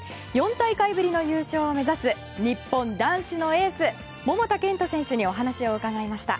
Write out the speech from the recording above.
４大会ぶりの優勝を目指す日本男子のエース桃田賢斗選手にお話を伺いました。